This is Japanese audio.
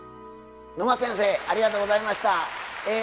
野間先生ありがとうございました。